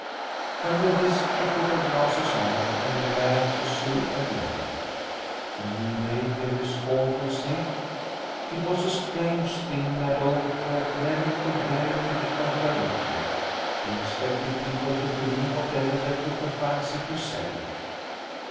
And with this she put her glasses on and began to sew again. The new maid gave a scornful sniff. It was 32 Liliecrona's Home a strange thing that old folk never could bear to be contradicted. They expected people to believe whatever they took a fancy to say.